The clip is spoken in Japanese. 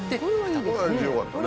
これはよかったね。